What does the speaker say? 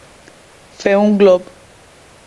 Fer un glop.